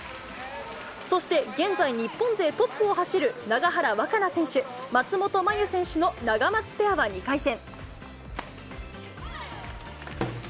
そして現在日本勢トップを走る、永原和可那選手・松本麻佑選手のナガマツペアは２回戦。